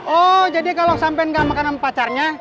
oh jadi kalo sampe gak makan sama pacarnya